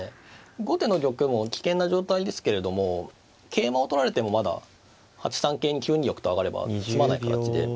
後手の玉も危険な状態ですけれども桂馬を取られてもまだ８三桂に９二玉と上がれば詰まない形で。